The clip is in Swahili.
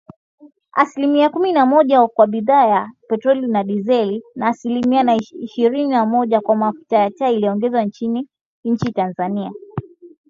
Asilimia kumi na moja kwa bidhaa ya petroli na dizeli, na asilimia ishirini na moja kwa mafuta ya taa iliongezwa Inchi Tanzania